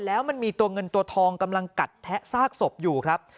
แล้วมันมีตัวเงินตัวทองกำลังกัดแทะซากศพอยู่ครับ